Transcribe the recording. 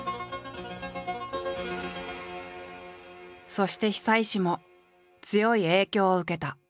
そして久石も強い影響を受けた。